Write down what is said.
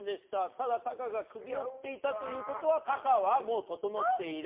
ただ、タカが首を振っていたということはタカはもう整っている。